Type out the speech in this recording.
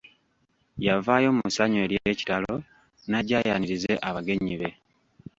Yavaayo mu ssanyu ery'ekitalo, n'ajja ayanirize abagenyi be.